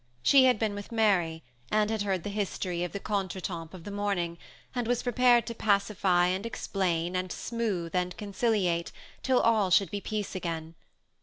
She had been with Mary, and had heard the history of the contretemps of the morning, and was prepared to pacify, and explain, and smooth, and conciliate, till all should be peace again.